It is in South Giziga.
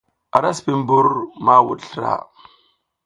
A ra sipi mbur ma wuɗ slra.